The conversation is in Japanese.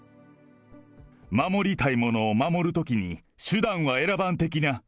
守りたい者を守るときに手段は選ばん的な。